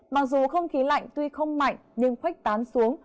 mặc dù không khí lạnh tuy không mạnh nhưng khuếch tán xuống